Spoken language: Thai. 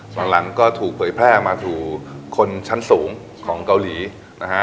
หลังก็ถูกเผยแพร่มาสู่คนชั้นสูงของเกาหลีนะฮะ